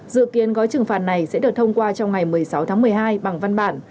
dự kiến gói trừng phạt này sẽ được thông qua trong ngày một mươi sáu tháng một mươi hai bằng văn bản